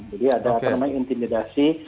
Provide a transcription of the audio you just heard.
jadi ada apa namanya intimidasi